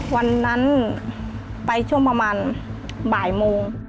วันนั้นไปช่วงประมาณบ่ายโมง